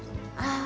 ああ。